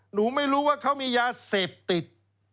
หนูไม่รู้ว่าเขามียาเสพติด